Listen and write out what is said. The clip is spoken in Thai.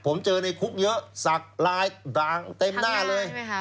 ผมเจอในคุกเยอะสักลายด่างเต็มหน้าเลย